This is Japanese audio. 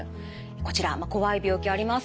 こちら怖い病気あります。